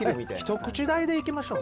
一口大でいきましょう。